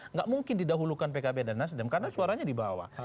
nggak mungkin didahulukan pkb dan nasdem karena suaranya di bawah